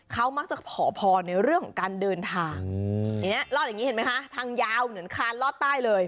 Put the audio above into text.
เขามักจะพอพอในเรื่องการเดินทางทางยาวเหมือนคานลอดใต้เลย